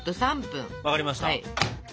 分かりました。